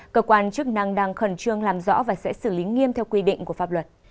cơ quan chức năng đang khẩn trương làm rõ và sẽ xử lý nghiêm theo quy định của pháp luật